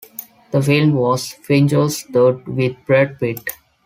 The film was Fincher's third with Brad Pitt.